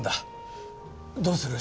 どうする？